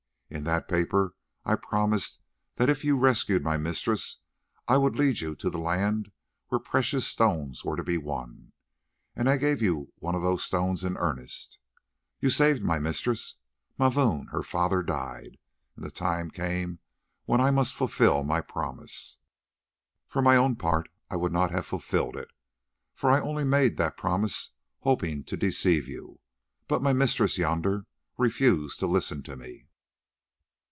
In that paper I promised that if you rescued my mistress I would lead you to the land were precious stones were to be won, and I gave you one of those stones in earnest. You saved my mistress, Mavoom her father died, and the time came when I must fulfil my promise. For my own part I would not have fulfilled it, for I only made it that promise hoping to deceive you. But my mistress yonder refused to listen to me.